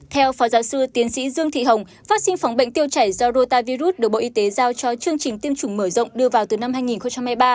theo phó giáo sư tiến sĩ dương thị hồng vaccine phòng bệnh tiêu chảy do rotavirus được bộ y tế giao cho chương trình tiêm chủng mở rộng đưa vào từ năm hai nghìn hai mươi ba